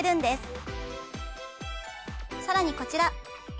さらにこちら。